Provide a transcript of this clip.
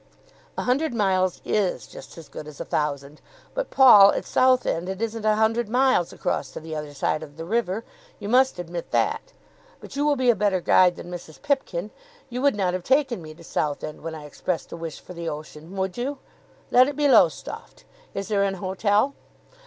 "A hundred miles is just as good as a thousand. But, Paul, at Southend it isn't a hundred miles across to the other side of the river. You must admit that. But you will be a better guide than Mrs. Pipkin. You would not have taken me to Southend when I expressed a wish for the ocean; would you? Let it be Lowestoft. Is there an hotel?"